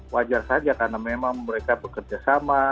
wajar saja karena memang mereka bekerja sama